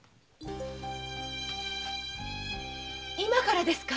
今からですか？